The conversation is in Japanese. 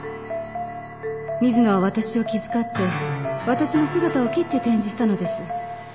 「水野は私を気遣って私の姿を切って展示したのです」